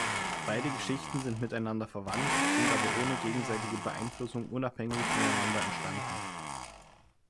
Beide Geschichten sind miteinander verwandt, sind aber ohne gegenseitige Beeinflussung unabhängig voneinander entstanden.